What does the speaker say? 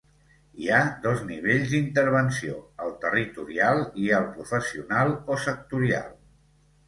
Hi ha dos nivells d'intervenció: el territorial i el professional o sectorial.